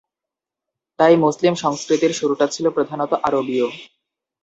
তাই মুসলিম সংস্কৃতির শুরুটা ছিল প্রধানত আরবীয়।